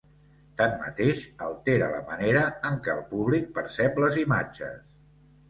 Tanmateix, altera la manera en què el públic percep les imatges.